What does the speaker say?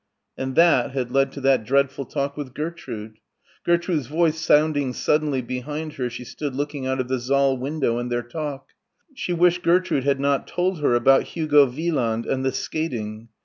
And that had led to that dreadful talk with Gertrude. Gertrude's voice sounding suddenly behind her as she stood looking out of the saal window and their talk. She wished Gertrude had not told her about Hugo Wieland and the skating.